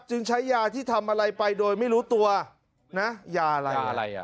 จึงใช้ยาที่ทำอะไรไปโดยไม่รู้ตัวนะยาอะไรอะไรอ่ะ